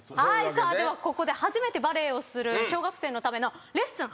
さあではここで初めてバレーをする小学生のためのレッスンはじめの一歩です。